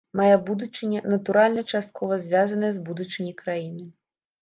Мая будучыня, натуральна, часткова звязаная і з будучыняй краіны.